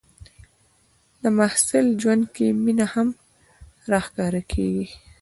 د محصل ژوند کې مینه هم راښکاره کېږي.